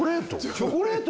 チョコレート？